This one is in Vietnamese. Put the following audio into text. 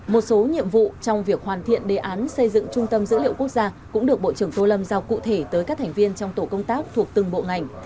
một số nhiệm vụ trong việc hoàn thiện đề án xây dựng trung tâm dữ liệu quốc gia cũng được bộ trưởng tô lâm giao cụ thể tới các thành viên trong tổ công tác thuộc từng bộ ngành